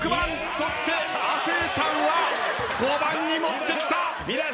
そして亜生さんは５番に持ってきた！